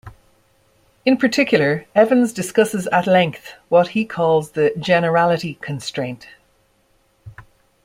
In particular, Evans discusses at length what he calls the "Generality Constraint".